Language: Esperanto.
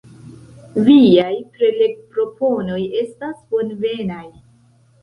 Viaj prelegproponoj estas bonvenaj.